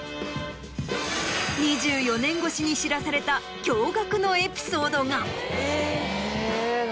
２４年越しに知らされた驚愕のエピソードが。